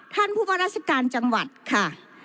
๓ท่านผู้บรรษการจังหวัดค่ะ